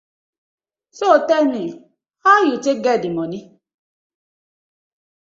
So tell me, how yu tak get di moni?